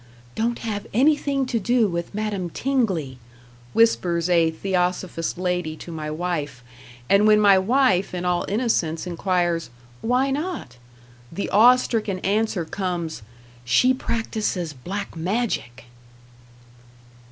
"Don't have anything to do with Madame Tingley," whispers a Theosophist lady to my Wife; and when my wife in all innocence inquires, "Why not?" the awe stricken answer comes, "She practices black magic!"